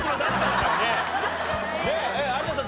有田さん